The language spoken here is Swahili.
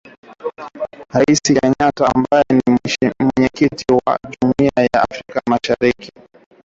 Raisi Kenyatta ambaye ni Mwenyekiti wa Jumuia ya Afrika mashariki